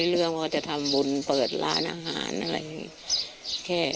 เรื่องว่าจะทำบุญเปิดร้านอาหารอะไรอย่างนี้